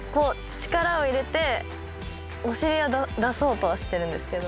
力を入れてお尻を出そうとはしてるんですけど。